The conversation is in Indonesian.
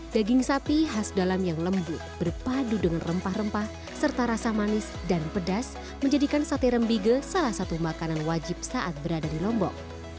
daging sapi khas dalam yang lembut berpadu dengan rempah rempah serta rasa manis dan pedas menjadikan sate rembige salah satu makanan wajib saat berada di lombok